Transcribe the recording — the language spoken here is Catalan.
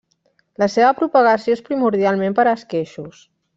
La seva propagació és primordialment per esqueixos.